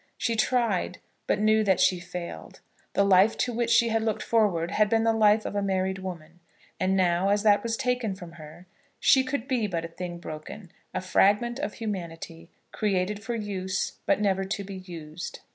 She tried, but knew that she failed. The life to which she had looked forward had been the life of a married woman; and now, as that was taken from her, she could be but a thing broken, a fragment of humanity, created for use, but never to be used.